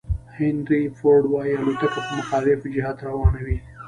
هینري فورد وایي الوتکه په مخالف جهت روانه وي.